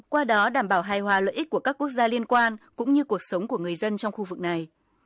qua đó đảm bảo hài hòa lợi ích của các quốc gia liên quan cũng như cuộc sống của người dân trong khu vực này